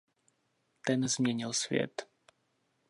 Ten změnil svět.